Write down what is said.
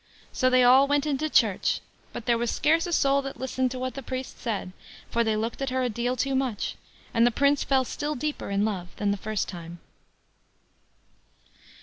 So they all went into church; but there was scarce a soul that listened to what the priest said, for they looked at her a deal too much; and the Prince fell still deeper in love than the first time.